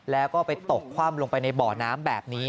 แล้วก็ไปตกคว่ำลงไปในบ่อน้ำแบบนี้